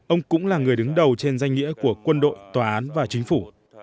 ông cũng là người đứng đầu trên danh nghĩa của quân đội tòa án và chính phủ